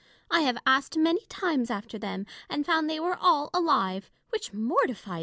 I have asked many times after them, and found they were all alive, which mortified me.